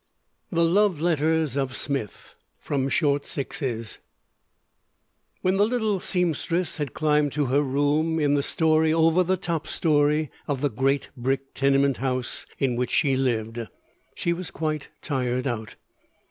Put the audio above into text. THE LOVE LETTERS OF SMITH From 'Short Sixes' When the little seamstress had climbed to her room in the story over the top story of the great brick tenement house in which she lived, she was quite tired out.